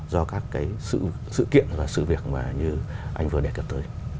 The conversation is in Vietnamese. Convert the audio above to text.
do các cái sự kiện và sự việc mà như anh vừa đề cập tới